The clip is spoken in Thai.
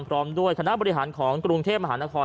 พร้อมด้วยคณะบริหารของกรุงเทพมหานคร